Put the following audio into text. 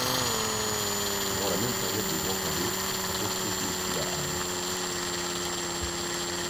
Durant la même période de grands travaux, on construisit aussi la halle.